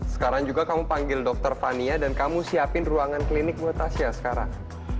sekarang juga kamu panggil dokter fania dan kamu siapin ruangan klinik buat tasya sekarang